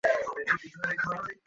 এবার আমাদের প্রতিশোধ নেওয়ার পালা।